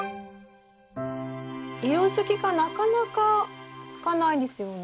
色づきがなかなかつかないですよね。